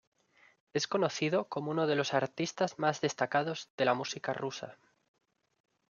Es conocido como uno de los artistas más destacados de la música rusa.